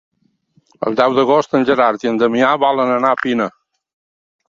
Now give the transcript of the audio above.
El deu d'agost en Gerard i en Damià volen anar a Pina.